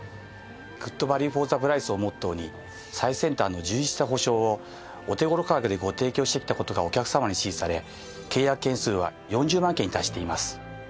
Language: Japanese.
「ＧｏｏｄＶａｌｕｅｆｏｒｔｈｅＰｒｉｃｅ」をモットーに最先端の充実した保障をお手頃価格でご提供してきた事がお客様に支持され契約件数は４０万件に達しています。